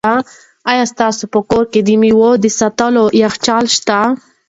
آیا ستاسو په کور کې د مېوو د ساتلو یخچال شته؟